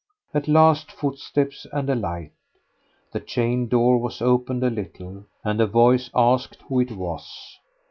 At last footsteps and a light; the chained door was opened a little, and a voice asked who it was.